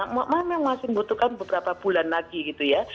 mbak mbak masih butuhkan beberapa bulan lagi gitu ya